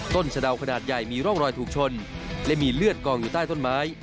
สะดาวขนาดใหญ่มีร่องรอยถูกชนและมีเลือดกองอยู่ใต้ต้นไม้